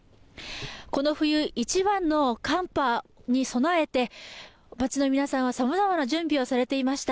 この冬、一番の寒波に備えて街の皆さんはさまざまな準備をされていました。